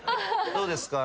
どうですか？